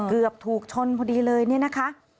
เกือบถูกชนพอดีเลยเนี่ยนะคะ